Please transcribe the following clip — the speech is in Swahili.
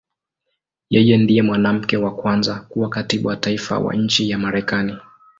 Yeye ndiye mwanamke wa kwanza kuwa Katibu wa Taifa wa nchi ya Marekani.